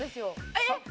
えっ！